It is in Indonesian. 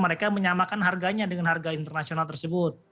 mereka menyamakan harganya dengan harga internasional tersebut